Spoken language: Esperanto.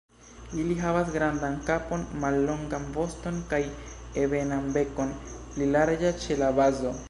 Ili havas grandan kapon, mallongan voston kaj ebenan bekon, pli larĝa ĉe la bazo.